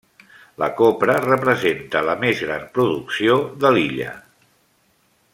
La copra representa la més gran producció de l'illa.